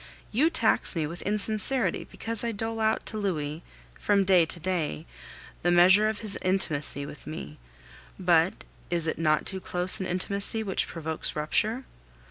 You tax me with insincerity because I dole out to Louis, from day to day, the measure of his intimacy with me; but is it not too close an intimacy which provokes rupture?